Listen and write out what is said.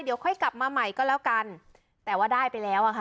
เดี๋ยวค่อยกลับมาใหม่ก็แล้วกันแต่ว่าได้ไปแล้วอ่ะค่ะ